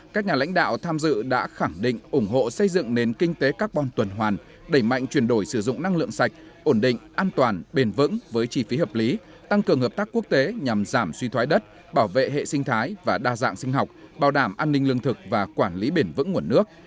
các nhà lãnh đạo tham dự đã khẳng định ủng hộ xây dựng nền kinh tế carbon tuần hoàn đẩy mạnh chuyển đổi sử dụng năng lượng sạch ổn định an toàn bền vững với chi phí hợp lý tăng cường hợp tác quốc tế nhằm giảm suy thoái đất bảo vệ hệ sinh thái và đa dạng sinh học bảo đảm an ninh lương thực và quản lý bền vững nguồn nước